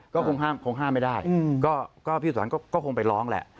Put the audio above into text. ก็คงห้ามไม่ได้ก็พี่สุรก็คงไปร้องแหละ